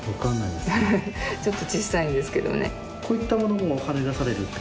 ちょっと小さいんですけどね。